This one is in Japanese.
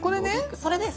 それです